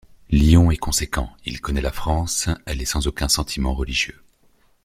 Lyon est conséquent: il connaît la France, elle est sans aucun sentiment religieux.